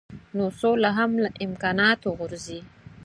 نو سوله هم له امکاناتو غورځي.